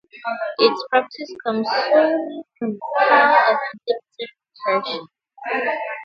Its properties come solely from the power of unlimited recursion.